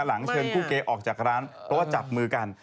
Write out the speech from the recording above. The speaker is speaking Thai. หลังเชิงคู่เกรออกจากร้านตัวจับมือกัน